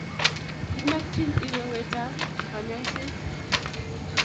kimekchin iwe wetaab kanyoishet